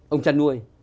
ông chăn nuôi